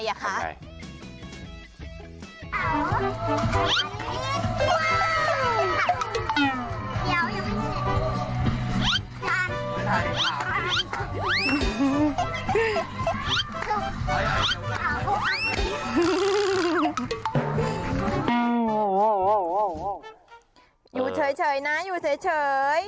อยู่เฉยนะอยู่เฉย